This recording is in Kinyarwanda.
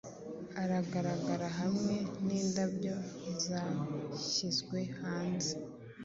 agaragara hamwe nindabyo zahyizwe hanze